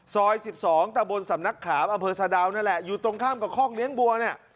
ซอย๑๒ตะบนสำนักขามอำเภอสะดาวนั่นแหละอยู่ตรงข้ามกับคอกเลี้ยงบัวเนี่ย